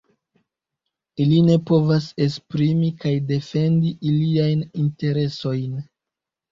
Ili ne povas esprimi kaj defendi iliajn interesojn.